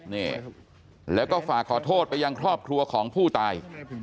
นี่แล้วก็ฝากขอโทษไปยังครอบครัวของผู้ตาย